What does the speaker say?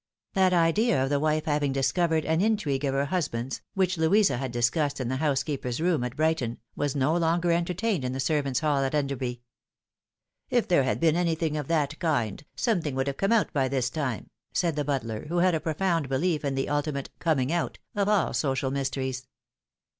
That idea of the wife having discovered an intrigue of her husband's, which Louisa had discussed in the housekeeper's room at Brighton, was no longer entertained in the servants' hall at Enderby. " If there had been anything of that kind, something would have come out by this time," said the butler, who had a profound belief in the ultimate " coming out " of all social mysteries.